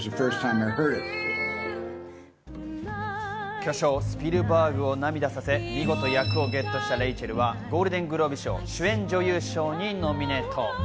巨匠・スピルバーグを涙させ、見事、役をゲットしたレイチェルはゴールデングローブ賞主演女優賞にノミネート。